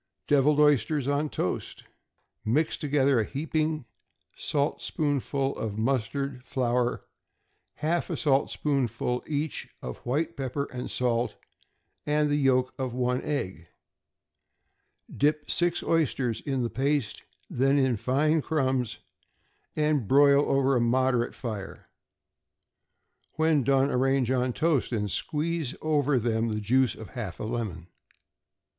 =Deviled Oysters on Toast.= Mix together a heaping saltspoonful of mustard flour, half a saltspoonful each of white pepper and salt, and the yolk of one egg. Dip six oysters in the paste, then in fine crumbs, and broil over a moderate fire. When done, arrange on toast, and squeeze over them the juice of half a lemon.